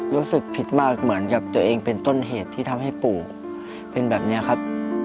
รู้สึกผิดมากเหมือนกับตัวเองเป็นต้นเหตุที่ทำให้ปู่เป็นแบบนี้ครับ